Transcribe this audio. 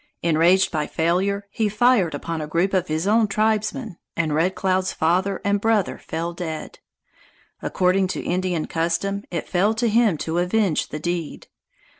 Enraged by failure, he fired upon a group of his own tribesmen, and Red Cloud's father and brother fell dead. According to Indian custom, it fell to him to avenge the deed.